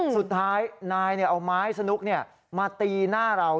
สุดท้ายนายเอาไม้สนุกมาตีหน้าเรา